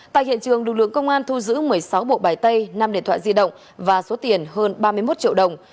tại hiện trường lực lượng công an thu giữ một mươi sáu bộ bài tay năm điện thoại di động và số tiền hơn ba mươi một triệu đồng